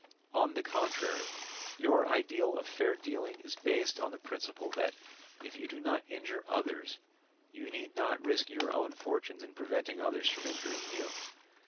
On the contrary, your ideal of fair dealing is based on the principle that, if you do not injure others, you need not risk your own fortunes in preventing others from injuring you.